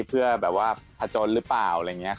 เพื่อแบบว่าผจญหรือเปล่าอะไรอย่างนี้